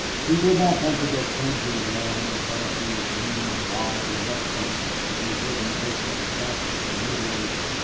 He did not want to go plunging down in front of those lean wild mustangs, to be ridden over and trampled and mutilated.